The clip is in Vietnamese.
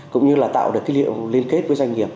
cũng như là tạo được cái liệu liên kết với doanh nghiệp